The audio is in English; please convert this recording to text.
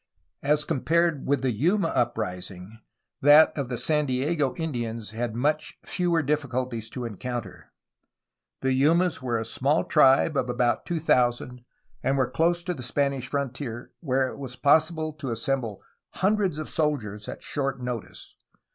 As compared with the Yuma uprising that of the San Diego Indians had much fewer difficulties to encounter. The Yumas were a small THE FOUNDING OF SAN FRANCISCO 311 tribe of about two thousand and were close to the Spanish frontier, where it was possible to assemble hundreds of soldiers at short notice.